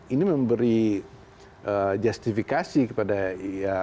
ini memberi justifikasi kepada ia